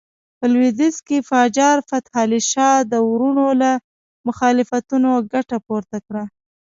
په لوېدیځ کې قاجار فتح علي شاه د وروڼو له مخالفتونو ګټه پورته کړه.